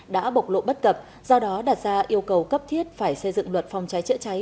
đã bộc lộ bất cập do đó đặt ra yêu cầu cấp thiết phải xây dựng luật phòng cháy chữa cháy